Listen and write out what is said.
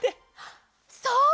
そう！